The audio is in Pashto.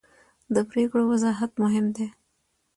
د پرېکړو وضاحت مهم دی